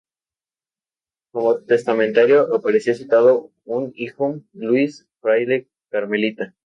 Como testamentario aparecía citado un hijo, Luis, fraile carmelita.